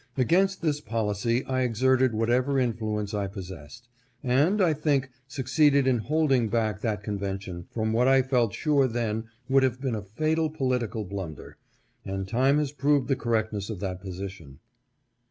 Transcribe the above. Against this policy I exerted whatever influence I possessed, and, I think, succeeded in holding back that convention from what I felt sure then would have been a fatal political blunder, and time has proved the correct ness of that position.